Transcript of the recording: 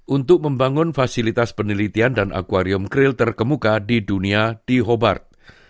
untuk membangun fasilitas penelitian dan akwarium krill terkemuka di dunia di hobat